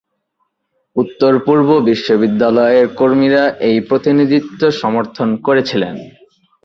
উত্তর-পূর্ব বিশ্ববিদ্যালয়ের কর্মীরা এই প্রতিনিধিত্ব সমর্থন করেছিলেন।